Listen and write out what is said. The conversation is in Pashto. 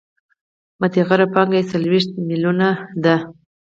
متغیره پانګه یې څلوېښت میلیونه ده